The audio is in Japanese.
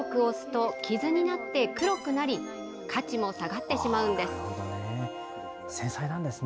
強く押すと傷になって黒くなり、価値も下がってしまうんです。